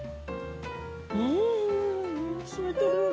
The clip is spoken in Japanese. うん染みてる。